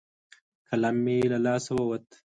قلم مې له لاسه ووت.